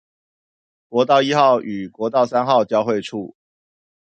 國道一號與國道三號交會處